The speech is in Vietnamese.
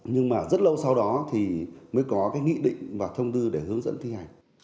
nhưng mà rất lâu sau đó thì mới có cái nghị định và thông tư để hướng dẫn thi hành